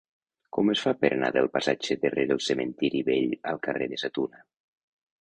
Com es fa per anar del passatge de Rere el Cementiri Vell al carrer de Sa Tuna?